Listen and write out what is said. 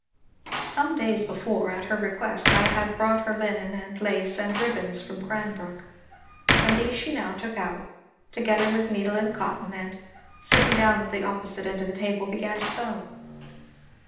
Some days before, at her request, I had brought her linen and lace and ribands from Cranbrook, and these she now took out, together with needle and cotton, and, sitting down at the opposite side of the table, began to sew.